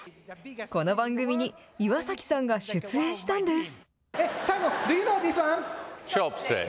この番組に岩崎さんが出演したんです。